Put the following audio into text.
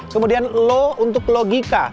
kemudian lo untuk logika